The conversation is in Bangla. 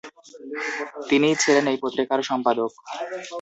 তিনিই ছিলেন এই পত্রিকার সম্পাদক।